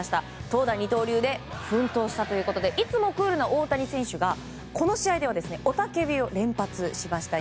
投打二刀流で奮闘したということでいつもクールな大谷選手がこの試合では雄たけびを連発しました。